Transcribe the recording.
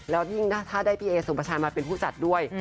แล้วยิ่งถ้าได้พี่เอสุประชัยมาเป็นผู้จัดด้วย